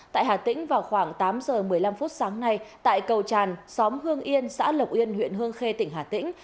tại hà tĩnh vào khoảng tám giờ một mươi năm phút sáng nay tại cầu tràn xóm hương yên xã lộc yên huyện hương khê tỉnh hà tĩnh